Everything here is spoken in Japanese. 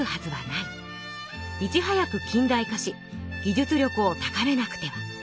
いちはやく近代化し技術力を高めなくては」。